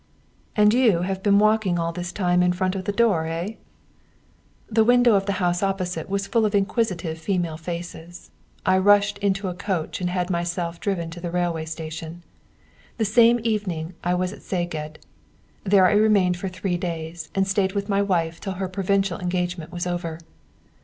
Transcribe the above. "And you have been walking all the time in front of the door, eh?" The window of the house opposite was full of inquisitive female faces. I rushed into a coach and had myself driven to the railway station. The same evening I was at Szeged. There I remained for three days, and stayed with my wife till her provincial engagement was over.